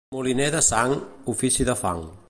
Moliner de sang, ofici de fang.